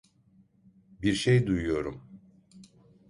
Bir şey duyuyorum.